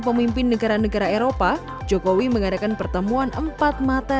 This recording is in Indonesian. pemimpin negara negara eropa jokowi mengadakan pertemuan empat mata